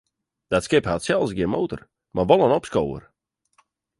Dat skip hat sels gjin motor, mar wol in opskower.